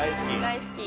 大好き。